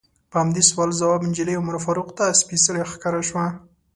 په همدې سوال ځواب نجلۍ عمر فاروق ته سپیڅلې ښکاره شوه.